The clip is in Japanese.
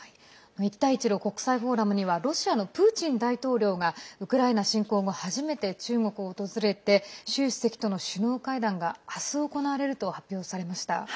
一帯一路国際フォーラムにはロシアのプーチン大統領がウクライナ侵攻後初めて中国を訪れて習主席との首脳会談が明日、行われると発表されました。